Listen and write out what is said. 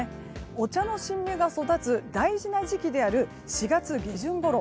お茶の新芽が育つ大事な時期である４月下旬ごろ。